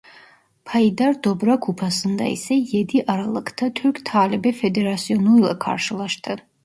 Payidar Dobra Kupası'nda ise yedi Aralık'ta Türk Talebe Federasyonu'yla karşılaştı.